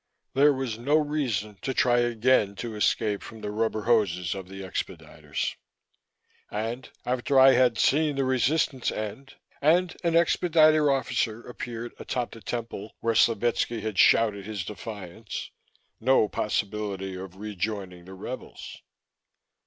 There was no reason to try again to escape from the rubber hoses of the expediters and, after I had seen the resistance end, and an expediter officer appeared atop the temple where Slovetski had shouted his defiance, no possibility of rejoining the rebels.